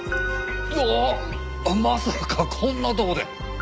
わあっまさかこんなとこで。